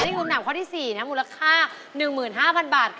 นี่คือหนักข้อที่๔มูลค่า๑๕๐๐๐บาท